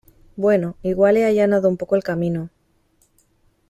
bueno, igual he allanado un poco el camino ,